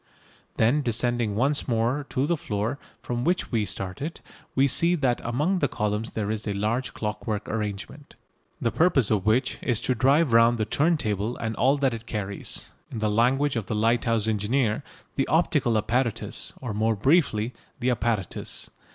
Then descending once more to the floor from which we started, we see that among the columns there is a large clockwork arrangement, the purpose of which is to drive round the turntable and all that it carries in the language of the lighthouse engineer the "optical apparatus" or, more briefly, "the apparatus."